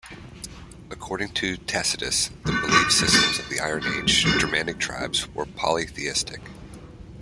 According to Tacitus, the belief systems of the Iron Age Germanic tribes were polytheistic.